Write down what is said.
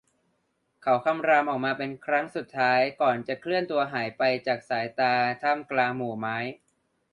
เขาคำรามออกมาเป็นครั้งสุดท้ายก่อนจะเคลื่อนตัวหายไปจากสายตาท่ามกลางหมู่ไม้